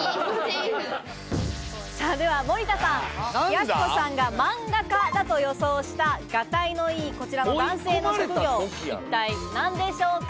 では、森田さん、やす子さんが漫画家だと予想したガタイのいい、こちらの男性の職業、一体何でしょうか？